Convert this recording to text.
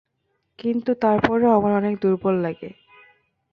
কিন্তু তারপরেও আমার অনেক দুর্বল লাগে।